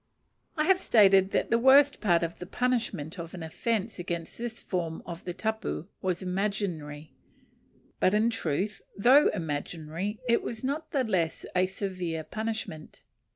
I have stated that the worst part of the punishment of an offence against this form of the tapu was imaginary; but in truth, though imaginary, it was not the less a severe punishment.